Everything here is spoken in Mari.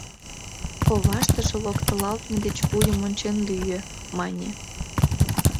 Коваштыже локтылалтме деч вуйым ончен лӱйӧ», — мане.